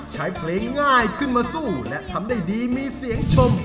ใช้เพลงง่ายขึ้นมาสู้และทำได้ดีมีเสียงชม